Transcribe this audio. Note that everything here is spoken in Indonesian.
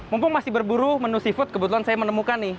mumpung masih berburu menu seafood kebetulan saya menemukan nih